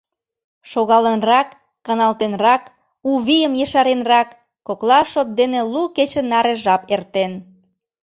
Шогалынрак, каналтенрак, у вийым ешаренрак, кокла шот дене лу кече наре жап эртен.